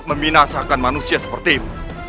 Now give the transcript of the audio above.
membinasakan manusia seperti itu